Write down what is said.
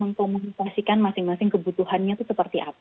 mengkomunikasikan masing masing kebutuhannya itu seperti apa